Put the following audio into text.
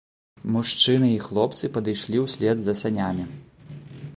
Мужчыны і хлопцы падышлі ўслед за санямі.